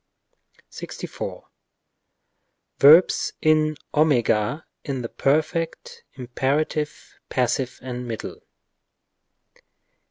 XXXII. § 64, Verbs in @, in the perfect, imperative, passive and middle.